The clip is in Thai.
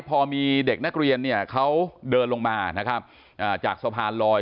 พอมีเด็กนักเรียนเนี่ยเขาเดินลงมานะครับจากสะพานลอย